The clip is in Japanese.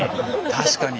確かに。